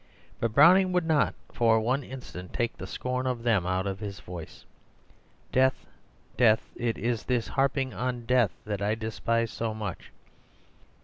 But Browning would not for one instant take the scorn of them out of his voice. "Death, death, it is this harping on death that I despise so much.